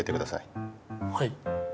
はい。